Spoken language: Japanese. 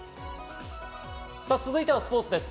続いてはスポーツです。